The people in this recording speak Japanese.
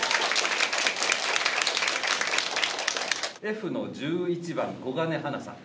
Ｆの１１番小金花奈さん。